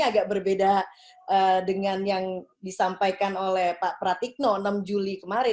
agak berbeda dengan yang disampaikan oleh pak pratikno enam juli kemarin